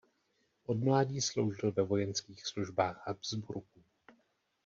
Od mládí sloužil ve vojenských službách Habsburků.